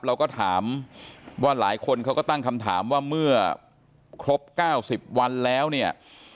เราก็ถามว่าหลายคนเขาก็ตั้งคำถามว่าเมื่อครบ๙๐วันแล้วเนี่ย